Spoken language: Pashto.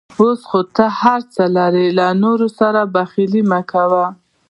اوس ته هر څه لرې، له نورو سره بخل مه کوه.